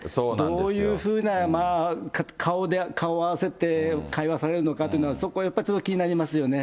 どういうふうに顔合わせて会話されるのかというのは、そこ、やっぱちょっと気になりますよね。